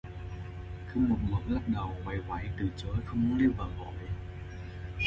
Cứ một mực lắc đầu quảy quảy từ chối không muốn lấy vợ vội